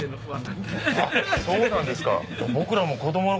あっそうなんですか。